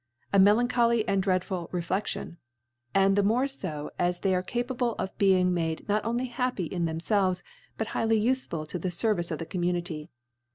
A melan choly and dreadful Reflexion ! and the more fo, as they arc capable of being made not only happy in themfdvef, but highly ufeful to the Service of the Community.